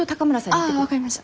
ああ分かりました。